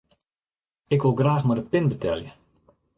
Ik wol graach mei de pin betelje.